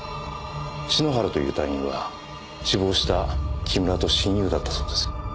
篠原という隊員は死亡した木村と親友だったそうです。